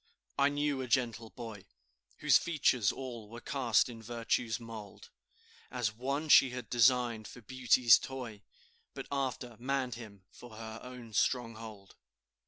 I knew a gentle boy, Whose features all were cast in Virtue's mould, As one she had designed for Beauty's toy, But after manned him for her own stronghold.